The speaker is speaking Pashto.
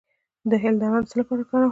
د هل دانه د څه لپاره وکاروم؟